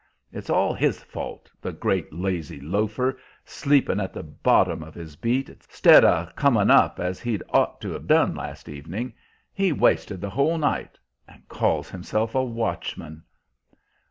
It's all his fault, the great lazy loafer, sleepin' at the bottom of his beat, 'stead o' comin' up as he'd ought to have done last evening. He wasted the whole night, and calls himself a watchman!"